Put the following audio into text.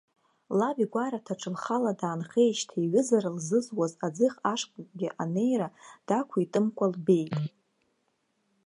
Лаб игәараҭаҿы лхала даанхеижьҭеи ҩызара лзызуаз аӡыхь ашҟагьы анеира дақәиҭымкәа лбеит.